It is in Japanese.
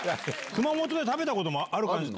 熊本で食べたこともある感じ。